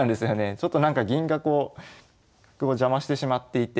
ちょっとなんか銀がこう角を邪魔してしまっていて。